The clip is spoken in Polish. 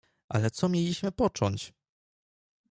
"Ale co mieliśmy począć?"